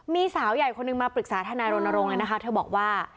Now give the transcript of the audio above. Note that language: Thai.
มีสาวใหญ่คนนึงมาปรึกษาท่านรณลงนะคะเธอบอกว่า